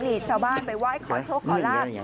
นี่ชาวบ้านไปไหว้ขอโชคขอลาบ